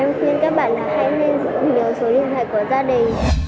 và em khuyên các bạn là hãy nên giữ nhiều số điện thoại của gia đình